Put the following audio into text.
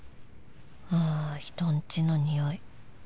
ああ人んちのにおい